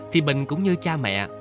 thì bình cũng như cha mẹ